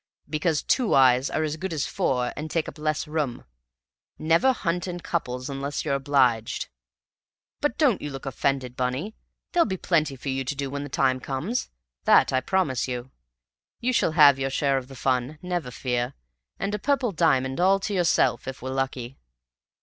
"Because two eyes are as good as four and take up less room. Never hunt in couples unless you're obliged. But don't you look offended, Bunny; there'll be plenty for you to do when the time comes, that I promise you. You shall have your share of the fun, never fear, and a purple diamond all to yourself if we're lucky."